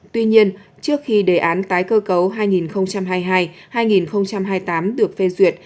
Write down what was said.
tuy nhiên trước khi đề án tái cơ cấu hai nghìn hai mươi hai hai nghìn hai mươi tám được phê duyệt